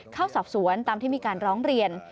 เข้าสอบสวนตามที่มีการร้องเรียน